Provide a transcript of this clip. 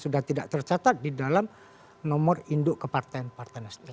dan itu sudah di dalam nomor induk ke partai nasdem